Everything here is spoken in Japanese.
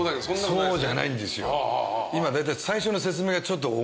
そうじゃないんですよ。